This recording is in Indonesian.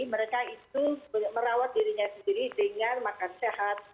mereka itu merawat dirinya sendiri dengan makan sehat